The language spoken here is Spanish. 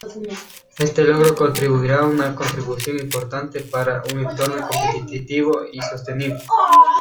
Este logro contribuirá una contribución importante para un entorno competitivo y sostenible.